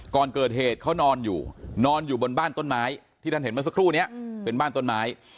ก่อนเกิดเหตุเขานอนอยู่นอนอยู่บนบ้านต้นไม้ที่ท่านเห็นเมื่อสักครู่นี้เป็นบ้านต้นไม้